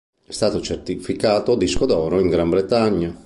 È stato certificato disco d'oro in Gran Bretagna.